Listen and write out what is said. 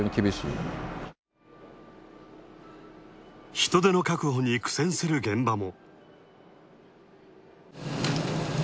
人手の確保に苦戦する現場も。